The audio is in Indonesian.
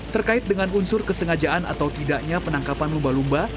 terkait dengan unsur kesengajaan atau tidaknya penangkapan lumba lumba